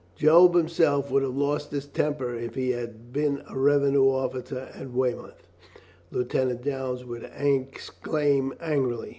"Job himself would have lost his temper if he had been a revenue officer at Weymouth," Lieutenant Downes would exclaim angrily.